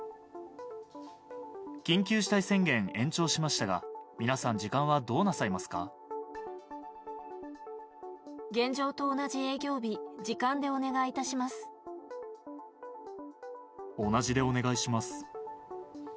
緊急事態宣言延長しましたが、現状と同じ営業日、時間でお同じでお願いします。